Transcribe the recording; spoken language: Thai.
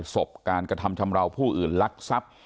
ศพการกระทำชำราวผู้อื่นลักทรัพย์